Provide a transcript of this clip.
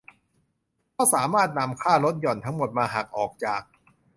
ก็สามารถนำค่าลดหย่อนทั้งหมดมาหักออกจาก